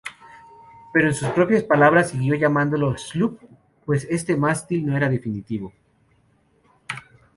Pero en sus propias palabras, siguió llamándolo sloop, pues este mástil no era definitivo.